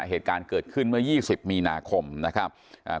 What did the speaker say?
เหตุการณ์เกิดขึ้นเมื่อยี่สิบมีนาคมนะครับอ่า